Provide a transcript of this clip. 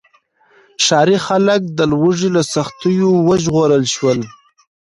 ښاري خلک د لوږې له سختیو وژغورل شول.